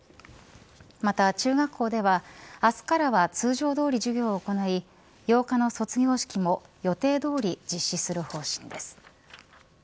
また、中学校では明日からは通常どおり授業を行い８日の卒業式も、予定どおり実施する方針です。